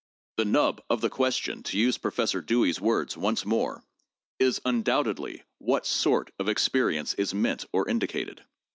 The nub of the question, to use Professor Dewey's words once more, is, undoubtedly, what sort of experience is meant or indicated.